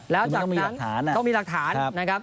แล้วจากนั้นต้องมีหลักฐานนะครับ